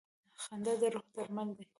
• خندا د روح درمل دی.